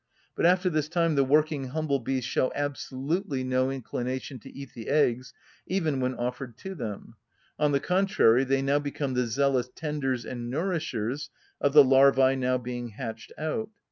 But after this time the working humble‐bees show absolutely no inclination to eat the eggs even when offered to them; on the contrary, they now become the zealous tenders and nourishers of the larvæ now being hatched out.